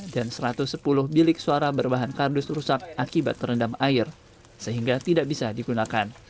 satu ratus sepuluh bilik suara berbahan kardus rusak akibat terendam air sehingga tidak bisa digunakan